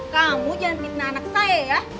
kamu jangan fitnah anak saya ya